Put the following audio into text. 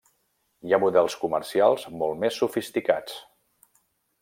Hi ha models comercials molt més sofisticats.